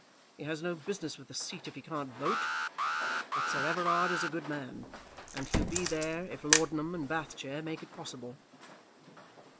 He has no business with a seat if he can't vote. But Sir Everard is a good man, and he'll be there if laudanum and bath chair make it possible."